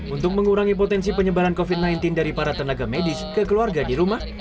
untuk mengurangi potensi penyebaran covid sembilan belas dari para tenaga medis ke keluarga di rumah